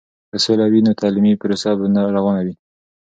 که سوله وي، نو تعلیمي پروسه به روانه وي.